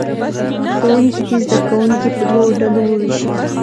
ښوونکي دې زه کوونکي په دوو ډلو ووېشي.